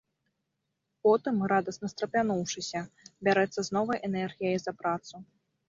Потым, радасна страпянуўшыся, бярэцца з новай энергіяй за працу.